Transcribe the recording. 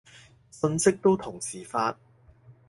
信息都同時發